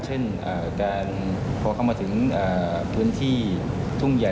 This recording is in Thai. เช่นการพอเข้ามาถึงพื้นที่ทุ่งใหญ่